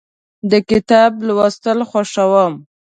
د کتاب لوستل خوښوم.